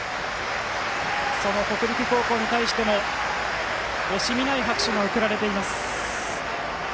その北陸高校に対しても惜しみない拍手が送られています。